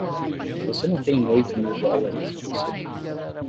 Você não tem oito mil dólares em você?